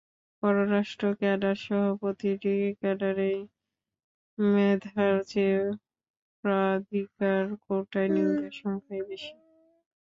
পররাষ্ট্র ক্যাডারসহ প্রতিটি ক্যাডারেই মেধার চেয়ে প্রাধিকার কোটায় নিয়োগের সংখ্যাই বেশি।